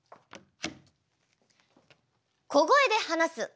小声で話す。